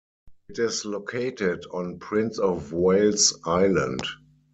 It is located on Prince of Wales Island.